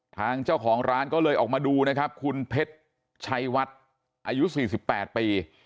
ทางเจ้าของร้านก็เลยออกมาดูนะครับคุณเพชรชัยวัดอายุ๔๘ปี